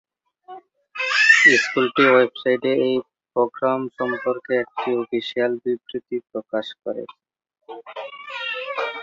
স্কুলটি ওয়েবসাইটে এই প্রোগ্রাম সম্পর্কে একটি অফিসিয়াল বিবৃতি প্রকাশ করেছে।